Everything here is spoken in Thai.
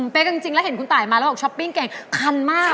เป๊กจริงแล้วเห็นคุณตายมาแล้วบอกช้อปปิ้งเก่งคันมาก